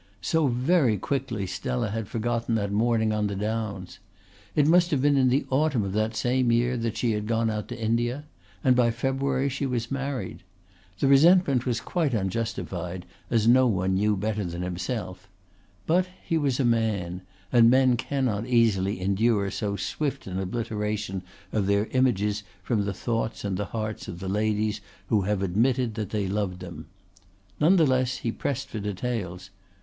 So very quickly Stella had forgotten that morning on the Downs! It must have been in the autumn of that same year that she had gone out to India, and by February she was married. The resentment was quite unjustified, as no one knew better than himself. But he was a man; and men cannot easily endure so swift an obliteration of their images from the thoughts and the hearts of the ladies who have admitted that they loved them. None the less he pressed for details.